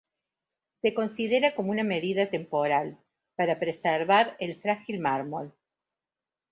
Se considera como una medida temporal, para preservar el frágil mármol.